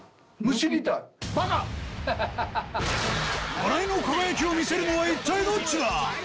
笑いの輝きを見せるのは一体どっちだ？